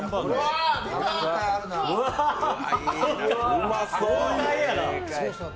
うまそう！